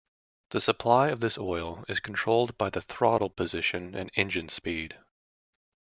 The supply of this oil is controlled by the throttle position and engine speed.